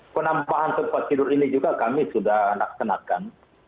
penambahan tempat tidur ini juga kami sudah laksanakan